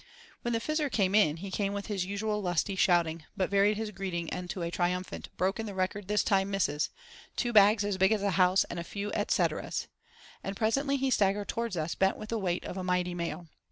When the Fizzer came in he came with his usual lusty shouting, but varied his greeting into a triumphant: "Broken the record this time, missus. Two bags as big as a house and a few et cet eras!" And presently he staggered towards us bent with the weight of a mighty mail.